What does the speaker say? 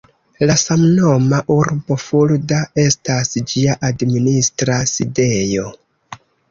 La samnoma urbo Fulda estas ĝia administra sidejo.